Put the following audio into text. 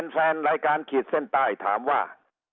แฟนรายการขีดเส้นใต้ถามว่า